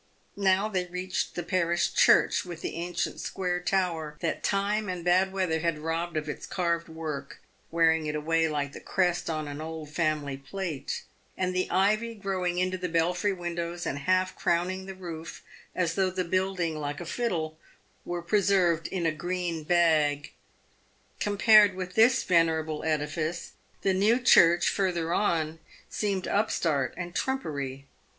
Now they reached the parish church, with the ancient square tower that time and bad weather had robbed of its carved work, wearing it away like the crest on old family plate, and the ivy growing into the belfry windows, and half crowning the roof, as though the building — like a fiddle — were preserved in a green bag. Compared with this venerable edifice, the New Church further on seemed upstart and trumpery.